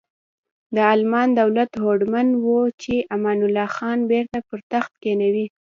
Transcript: د المان دولت هوډمن و چې امان الله خان بیرته پر تخت کینوي.